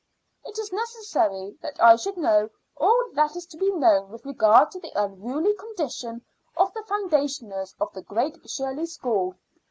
It is necessary that I should know all that is to be known with regard to the unruly condition of the foundationers of the Great Shirley School.